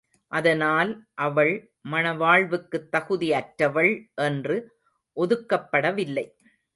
அதனால் அவள் மணவாழ்வுக்குத் தகுதி அற்றவள் என்று ஒதுக்கப்பட வில்லை.